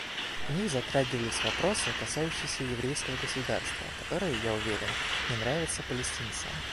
В них затрагивались вопросы, касающиеся еврейского государства, которые, я уверен, не нравятся палестинцам.